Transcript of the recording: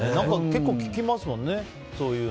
結構聞きますもんね